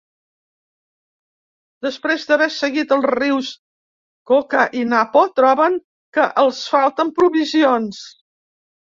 Després d'haver seguit els rius Coca i Napo, troben que els falten provisions.